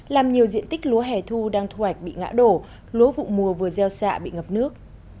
làm nhiều diện tích lúa hẻ thu đang thu hoạch bị ngã đổ lúa vụ mùa vừa gieo xạ bị ngập nước